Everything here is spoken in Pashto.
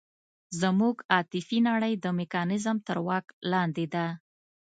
زموږ عاطفي نړۍ د میکانیزم تر واک لاندې ده.